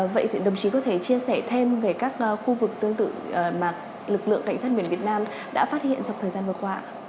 vậy thì đồng chí có thể chia sẻ thêm về các khu vực tương tự mà lực lượng cảnh sát biển việt nam đã phát hiện trong thời gian vừa qua